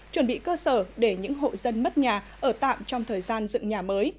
chuẩn bị cơ sở để những hộ dân mất nhà ở tạm trong thời gian dựng nhà mới